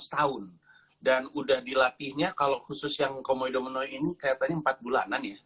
setahun dan udah dilatihnya kalau khusus yang komodomino ini kelihatannya empat bulanan ya